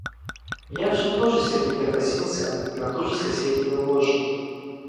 Яшвин тоже сердито косился на ту же соседнюю ложу.